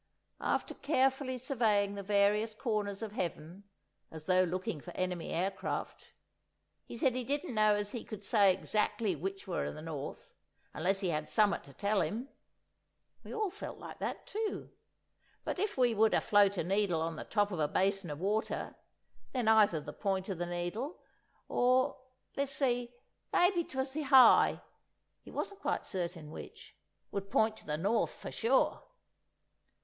After carefully surveying the various corners of heaven, as though looking for enemy air craft, he said he didn't know as he could say ezackly which wur the north, unless he had summat to tell him (we all felt like that, too!); but if we would a float a needle on the top of a basin of water, then either the point of the needle—or—le's see? maybe 'twas the heye, he wasn't quite certain which—would point to the north, for sure.